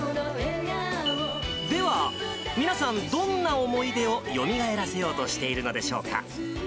では、皆さん、どんな思い出をよみがえらせようとしているのでしょうか。